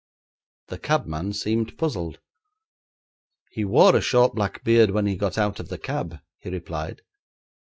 The cabman seemed puzzled. 'He wore a short black beard when he got out of the cab,' he replied.